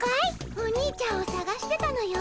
おにいちゃんをさがしてたのよ。